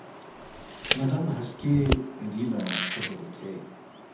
ندانگ ہسکے ری لہ کھوربہ گوید ہے